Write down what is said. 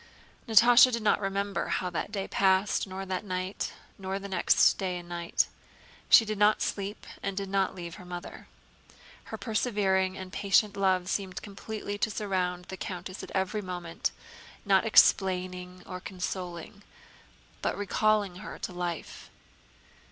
Natásha did not remember how that day passed nor that night, nor the next day and night. She did not sleep and did not leave her mother. Her persevering and patient love seemed completely to surround the countess every moment, not explaining or consoling, but recalling her to life.